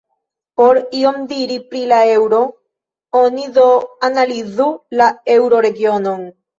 Por ion diri pri la eŭro, oni do analizu la eŭroregionon.